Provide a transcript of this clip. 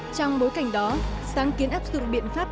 trong bối cảnh đó sáng kiến áp dụng biện pháp